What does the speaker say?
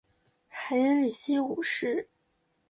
海因里希五世。